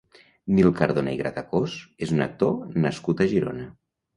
Nil Cardoner i Gratacós és un actor nascut a Girona.